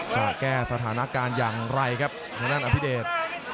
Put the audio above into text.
จะแก้สถานการณ์อย่างไรครับข้างหน้าอัพพิเตธ